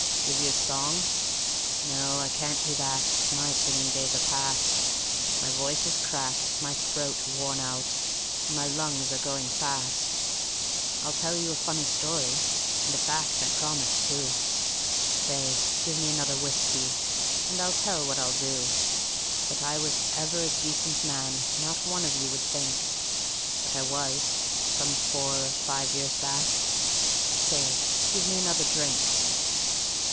Give you a song? No, I can't do that; my singing days are past; My voice is cracked, my throat's worn out, and my lungs are going fast. "I'll tell you a funny story, and a fact, I promise, too. Say! Give me another whiskey, and I'll tell what I'll do That I was ever a decent man not one of you would think; But I was, some four or five years back. Say, give me another drink.